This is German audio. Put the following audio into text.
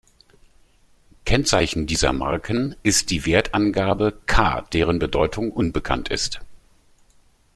Kennzeichen dieser Marken ist die Wertangabe "k", deren Bedeutung unbekannt ist.